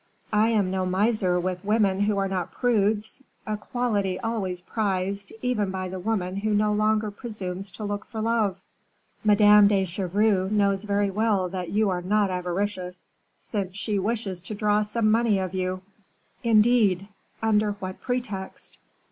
I am no miser with women who are not prudes. A quality always prized, even by the woman who no longer presumes to look for love." "Madame de Chevreuse knows very well that you are not avaricious, since she wishes to draw some money of you." "Indeed! under what pretext?"